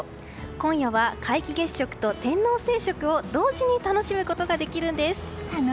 今夜は皆既月食と天王星食を同時に楽しむことができるんです。